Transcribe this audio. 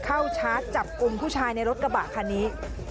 ชาร์จจับกลุ่มผู้ชายในรถกระบะคันนี้